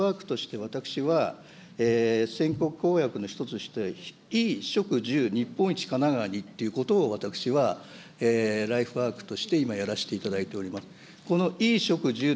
１０年前からライフワークとして、私は選挙公約の一つとして、衣、食、住、日本一かながわにということを、私はライフワークとして今、やらせていただいております。